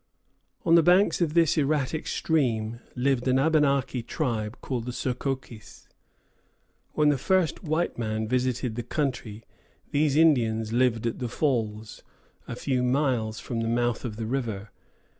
On the banks of this erratic stream lived an Abenaki tribe called the Sokokis. When the first white man visited the country, these Indians lived at the Falls, a few miles from the mouth of the river.